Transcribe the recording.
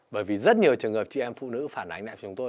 bởi vì rất nhiều trường hợp chị em phụ nữ phản ánh lại chúng tôi